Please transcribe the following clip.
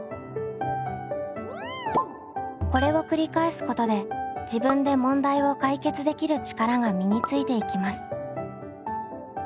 これを繰り返すことで「自分で問題を解決できる力」が身についていきます。